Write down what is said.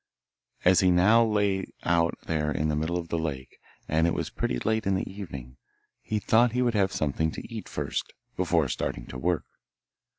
As he now lay out there in the middle of the lake, and it was pretty late in the evening, he thought he would have something to eat first, before starting to work.